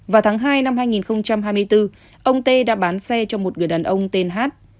vào tháng hai năm hai nghìn hai mươi bốn ông tê đã bán xe cho một người đàn ông tên hát